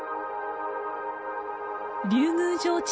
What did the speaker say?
竜宮城池